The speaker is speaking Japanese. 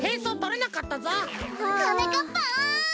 はなかっぱん！